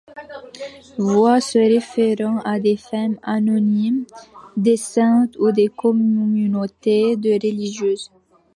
Voies se référant à des femmes anonymes, des Saintes ou des communautés de religieuses.